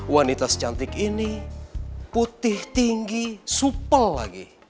wanita secantik ini putih tinggi supel lagi